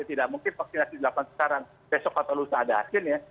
tidak mungkin vaksinasi delapan sekarang besok atau lusa ada hasilnya